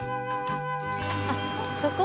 あっそこ？